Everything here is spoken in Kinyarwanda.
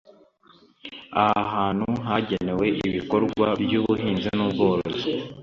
Aho hantu hagenewe ibikorwa by’ubuhinzi n’ubworozi